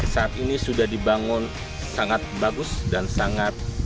saat ini sudah dibangun sangat bagus dan sangat